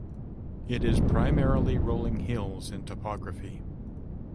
It is primarily rolling hills in topography.